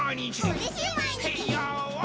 うれしいまいにち。